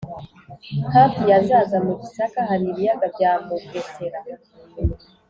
hafi ya zaza mu gisaka hari ibiyaga bya mugesera;